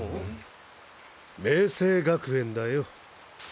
明青学園だよ。